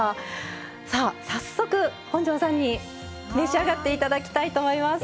さあ早速本上さんに召し上がって頂きたいと思います。